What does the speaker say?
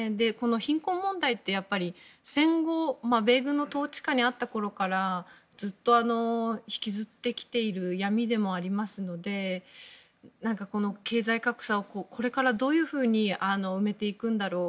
貧困問題ってやっぱり戦後米軍の統治下にあったころからずっと引きずってきている闇でもありますので経済格差をこれからどういうふうに埋めていくんだろう